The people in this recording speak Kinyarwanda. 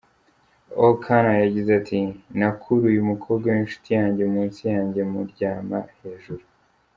O’Connor yagize ati: “ Nakuruye umukobwa w’inshuti yanjye munsi yanjye muryama hejuru.